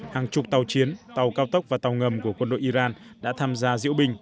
hàng chục tàu chiến tàu cao tốc và tàu ngầm của quân đội iran đã tham gia diễu binh